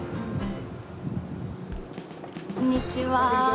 こんにちは。